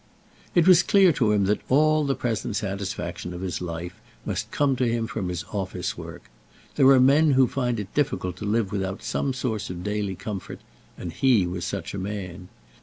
It was clear to him that all the present satisfaction of his life must come to him from his office work. There are men who find it difficult to live without some source of daily comfort, and he was such a man.